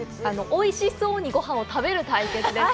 おいしそうにごはんを食べる対決です。